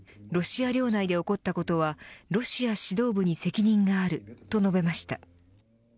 ロシア領内で起こったことはロシア指導部に責任があると述べました。